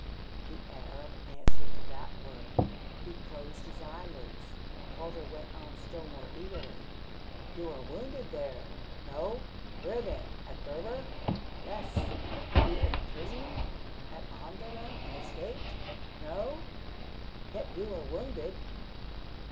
The Arab answered to that word. He closed his eyelids. Calder went on still more eagerly. "You were wounded there? No. Where then? At Berber? Yes. You were in prison at Omdurman and escaped? No. Yet you were wounded."